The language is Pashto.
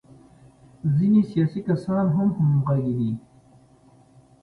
ځینې سیاسي کسان هم همغږي دي.